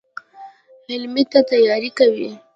حملې ته تیاری کوي.